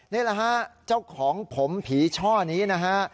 นี่แหละฮะเจ้าของผมผีช่อนี้นะฮะ